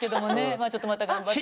まあちょっとまた頑張って。